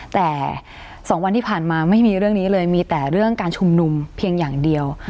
แต่๒วันที่ผ่านมาไม่มีเรื่องนี้เลยมีแต่เรื่องการชุมนุมเพียงอย่างเดียว